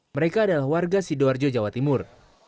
mereka adalah warga sidoarjo jawa timur